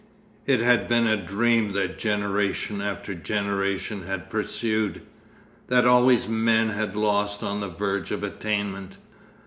It had been a dream that generation after generation had pursued, that always men had lost on the verge of attainment.